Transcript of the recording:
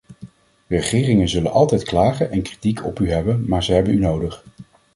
Regeringen zullen altijd klagen en kritiek op u hebben, maar ze hebben u nodig.